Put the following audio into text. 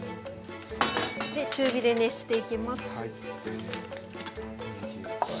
で中火で熱していきます。